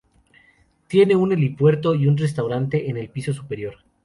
Tiene un helipuerto y un restaurante en el piso superior.